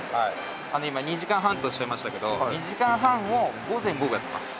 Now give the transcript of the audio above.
今２時間半とおっしゃいましたけど２時間半を午前午後やってます。